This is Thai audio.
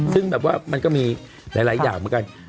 ซึ่งแบบว่ามันก็มีหลายอย่างเหมือนกัน